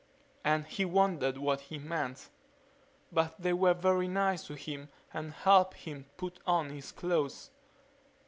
_" and he wondered what he meant. But they were very nice to him and helped him put on his clothes.